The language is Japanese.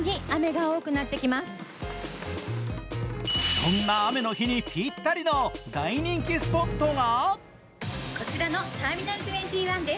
そんな雨の日にぴったりの大人気スポットが。